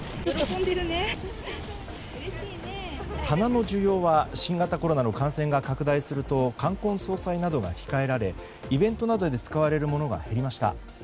花の需要は新型コロナの感染が拡大すると冠婚葬祭などが控えられイベントなどで使われるものが減りました。